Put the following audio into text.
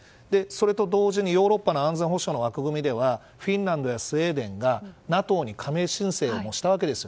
それと同時に、ヨーロッパの安全保障の枠組みではフィンランドやスウェーデンがＮＡＴＯに加盟申請もしたわけです。